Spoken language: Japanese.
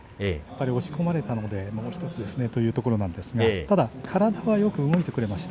押し込まれたのでもうひとつですねというところなんですが体はよく動いてくれました。